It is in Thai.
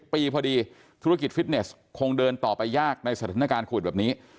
ปีพอดีธุรกิจฟิตเนสคงเดินต่อไปยากในสถานการณ์โควิดแบบนี้